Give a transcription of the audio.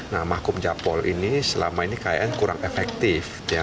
nah mahkumjapol ini selama ini kayaknya kurang efektif